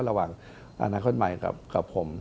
ระหว่างอนาคตใหม่กับผม